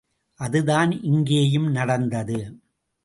அதுதான் இங்கேயும் நடந்தது.